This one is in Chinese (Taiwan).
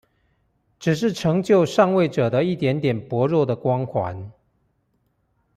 只是成就上位者的一點點薄弱的光環